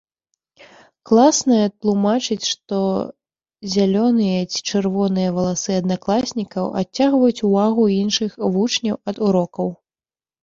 Класная тлумачыць, што зялёныя ці чырвоныя валасы аднакласнікаў адцягваюць увагу іншых вучняў ад урокаў.